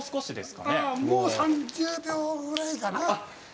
もう３０秒ぐらいかな。